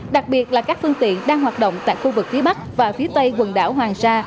đặc biệt là các phương tiện đang hoạt động tại khu vực phía bắc và phía tây quần đảo hoàng sa